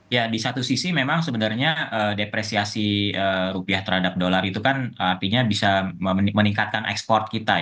ya di satu sisi memang sebenarnya depresiasi rupiah terhadap dolar itu kan artinya bisa meningkatkan ekspor kita